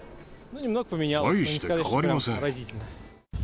大して変わりません。